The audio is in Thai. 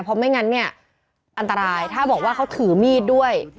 เพราะไม่งั้นเนี่ยอันตรายถ้าบอกว่าเขาถือมีดด้วย